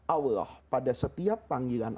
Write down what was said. allah pada setiap panggilan